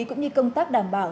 cũng như công tác đảm bảo